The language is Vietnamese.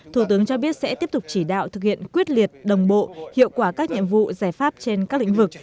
thủ tướng cho biết sẽ tiếp tục chỉ đạo thực hiện quyết liệt đồng bộ hiệu quả các nhiệm vụ giải pháp trên các lĩnh vực